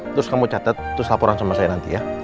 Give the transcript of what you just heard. terus kamu catat terus laporan sama saya nanti ya